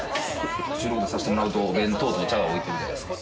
収録させてもらうと弁当とお茶置いてるじゃないですか。